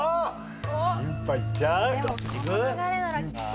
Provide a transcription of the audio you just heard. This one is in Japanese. キンパいっちゃう？